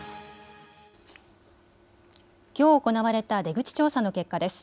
きょう行われた出口調査の結果です。